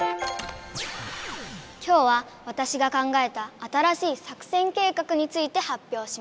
今日はわたしが考えた新しい作戦計画について発表します。